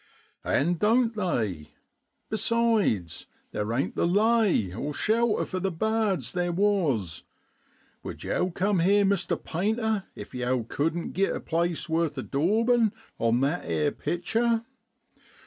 An' don't they ? Besides, there ain't the lay (shelter) for the bards theer was; would yow cum here, Mr. Painter, if yow cuddent git a place worth the daubin' on that 'ere pictur'